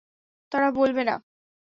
তারা বলবে, না।